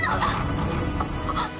あっ。